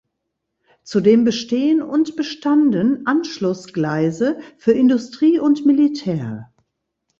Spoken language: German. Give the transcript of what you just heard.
Zudem bestehen und bestanden Anschlussgleise für Industrie und Militär.